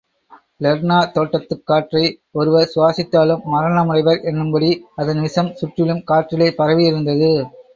Lerna தோட்டத்துக் காற்றை ஒருவர் சுவாசித்தாலும் மரணமடைவர் என்னும்படி, அதன் விஷம் சுற்றிலும் காற்றிலே பரவியிருந்தது.